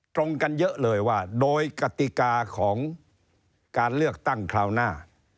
ตรงกันเยอะเลยว่าโดยกติกาของการเลือกตั้งคราวหน้า